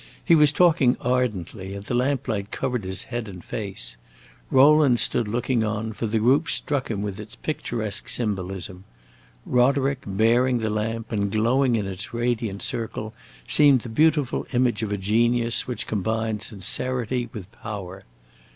He was talking ardently, and the lamplight covered his head and face. Rowland stood looking on, for the group struck him with its picturesque symbolism. Roderick, bearing the lamp and glowing in its radiant circle, seemed the beautiful image of a genius which combined sincerity with power.